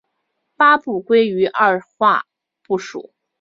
八部归于二划部首。